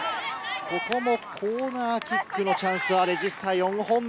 ここもコーナーキックのチャンスはレジスタ、４本目。